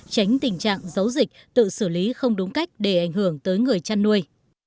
tránh tình trạng giấu dịch tự xử lý không đúng cách để ảnh hưởng tới người chăn nuôi